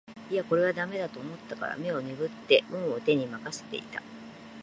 いやこれは駄目だと思ったから眼をねぶって運を天に任せていた